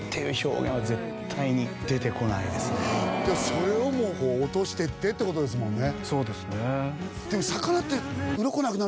それをも落としてってってことですもんね